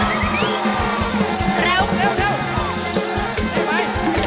กินไป